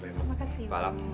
terima kasih pak alam